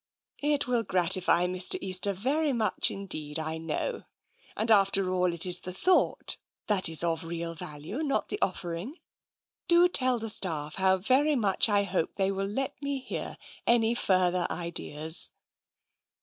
" It will gratify Mr. Easter very much indeed, I know. And after all, it's the thought that is of real value — not the offering. Do tell the staff how very much I hope they will let me hear any further ideas."